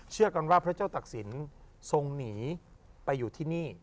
เชื่อกันว่าพระเจ้าตักศิลป์ทรงหนีไปอยู่ที่นี่